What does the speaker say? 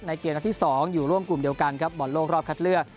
ในเกียรติภาพที่๒อยู่ร่วมกลุ่มเดียวกันครับบ่อนโลกรอบคัดเลือก